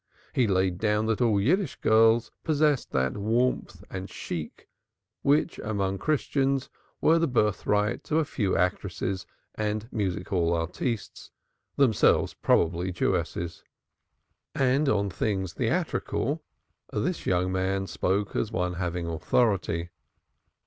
He laid it down that all Yiddishë girls possessed that warmth and chic which, among Christians, were the birthright of a few actresses and music hall artistes themselves, probably, Jewesses! And on things theatrical this young man spoke as one having authority.